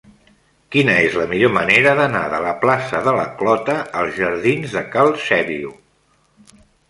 Quina és la millor manera d'anar de la plaça de la Clota als jardins de Cal Sèbio?